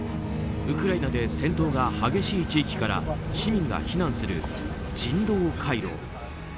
ウクライナで戦闘が激しい地域から市民が避難する人道回廊。